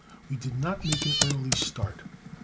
We did not make an early start.